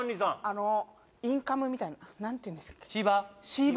あのインカムみたいな何ていうんでしたっけ？